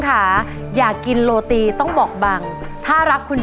ผ่านยกที่สองไปได้นะครับคุณโอ